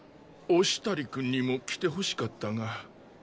忍足くんにも来てほしかったが。